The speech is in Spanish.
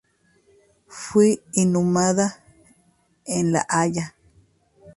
Fue inhumada en La Haya.